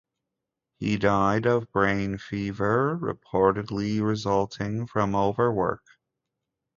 He died of brain fever reportedly resulting from over-work.